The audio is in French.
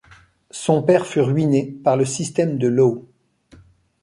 Son père fut ruiné par le système de Law.